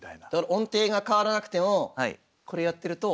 音程が変わらなくてもこれやってると。